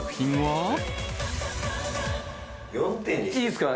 いいっすか？